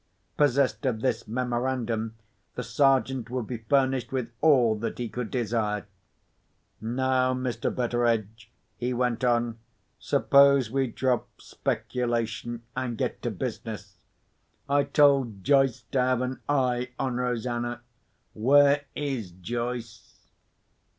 Possessed of this memorandum, the Sergeant would be furnished with all that he could desire.) "Now, Mr. Betteredge," he went on, "suppose we drop speculation, and get to business. I told Joyce to have an eye on Rosanna. Where is Joyce?"